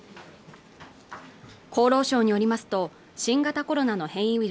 厚労省によりますと新型コロナの変異ウイル